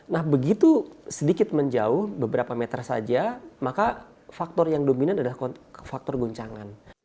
nah begitu sedikit menjauh beberapa meter saja maka faktor yang dominan adalah faktor guncangan